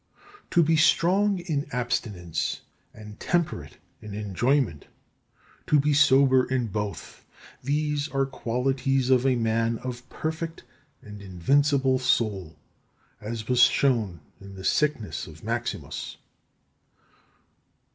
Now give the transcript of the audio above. To be strong in abstinence and temperate in enjoyment, to be sober in both these are qualities of a man of perfect and invincible soul, as was shown in the sickness of Maximus.